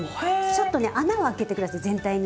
ちょっとね穴をあけて下さい全体に。